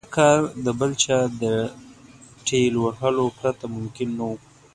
دا کار د بل چا د ټېل وهلو پرته ممکن نه و.